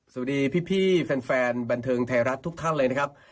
สวัสดีพี่แฟนบันเทิงไทยรัฐทุกท่านเลยนะครับ